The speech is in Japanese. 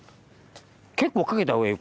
結構かけた方がいいよ。